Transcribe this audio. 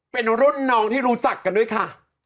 เป็นรุ่นน้องที่รู้จักกันด้วยค่ะ